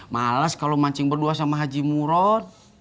males kalo mancing berdua sama haji murot